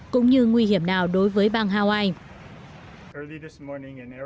cũng như nguy hiểm nào đối với bang hawaii